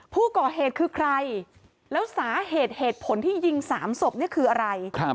ผู้ก่อเหตุคือใครแล้วสาเหตุเหตุผลที่ยิง๓ศพนี่คืออะไร